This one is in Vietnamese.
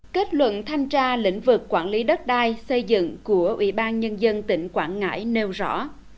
kết luận thanh tra lĩnh vực quản lý đất đai xây dựng của ủy ban nhân dân tỉnh quảng ngãi nêu rõ